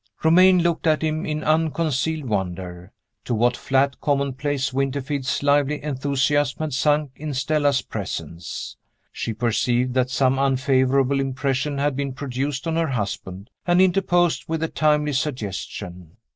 Romayne looked at him in unconcealed wonder. To what flat commonplace Winterfield's lively enthusiasm had sunk in Stella's presence! She perceived that some unfavorable impression had been produced on her husband, and interposed with a timely suggestion.